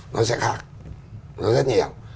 nó rất nhiều